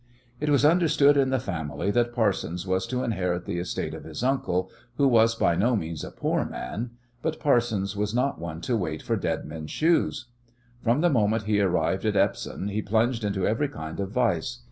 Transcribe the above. It was understood in the family that Parsons was to inherit the estate of his uncle, who was by no means a poor man. But Parsons was not one to wait for dead men's shoes. From the moment he arrived at Epsom he plunged into every kind of vice.